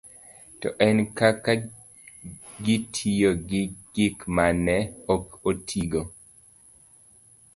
to en kaka gitiyo gi gik ma ne ok otigo.